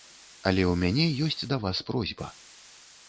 Але ў мяне ёсць да вас просьба.